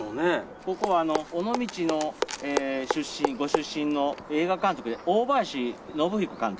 ここは尾道のご出身の映画監督で大林宣彦監督。